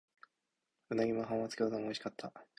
鰻も浜松餃子も美味しかった。